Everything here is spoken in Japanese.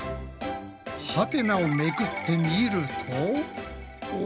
ハテナをめくってみるとお！